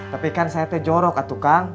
tapi kan saya teh jorok tukang